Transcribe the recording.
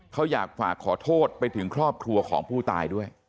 เขาอยากฝากขอโทษไปถึงครอบครัวของผู้ตายด้วย